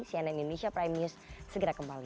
cnn indonesia prime news segera kembali